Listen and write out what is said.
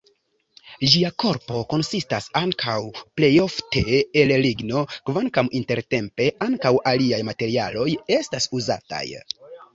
Ĝia korpo konsistas ankaŭ plejofte el ligno, kvankam intertempe ankaŭ aliaj materialoj estas uzataj.